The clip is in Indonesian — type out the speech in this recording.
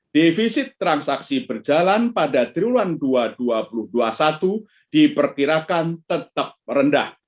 defisit transaksi berjalan pada triwulan dua ribu dua puluh dua diperkirakan tetap rendah